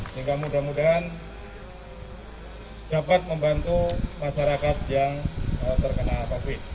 sehingga mudah mudahan dapat membantu masyarakat yang terhadapnya